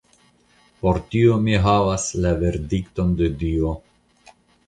Por tio mi havas la verdikton de Dio.